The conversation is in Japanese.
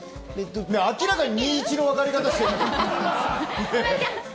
明らかに２、１の別れ方している。